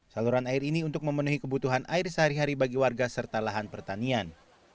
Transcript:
saluran air ini untuk memenuhi kebutuhan air sehari hari bagi warga serta lahan pertanian